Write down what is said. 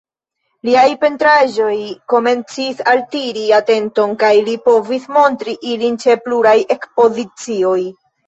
Liaj pentraĵoj komencis altiri atenton, kaj li povis montri ilin ĉe pluraj ekspozicioj.